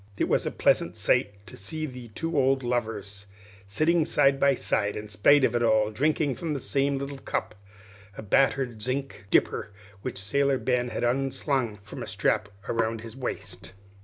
It was a pleasant sight to see the two old lovers sitting side by side, in spite of all, drinking from the same little cup a battered zinc dipper which Sailor Ben had unslung from a strap round his waist.